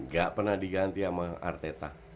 gak pernah diganti sama arteta